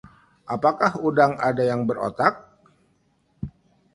apakah udang ada yang berotak?